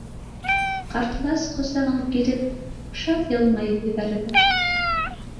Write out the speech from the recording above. — Ҡартлас ҡосағын киреп шат йылмайып ебәрҙе.